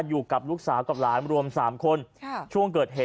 อยู่กับลูกสาวกับหลานรวมสามคนค่ะช่วงเกิดเหตุ